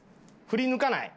振り抜かない？